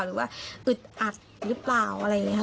หรือว่าอึดอัดหรือเปล่าอะไรอย่างนี้ค่ะ